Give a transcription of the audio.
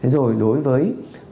rồi đối với